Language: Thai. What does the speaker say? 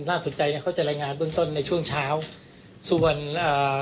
น่าสนใจเนี้ยเขาจะรายงานเบื้องต้นในช่วงเช้าส่วนอ่า